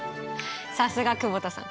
さすが久保田さん。